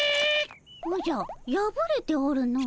おじゃやぶれておるの。